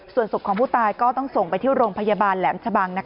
ส่วนศพของผู้ตายก็ต้องส่งไปที่โรงพยาบาลแหลมชะบัง